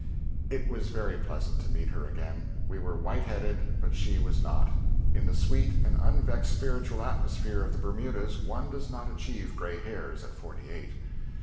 It was very pleasant to meet her again. We were white headed, but she was not; in the sweet and unvexed spiritual atmosphere of the Bermudas one does not achieve gray hairs at forty eight.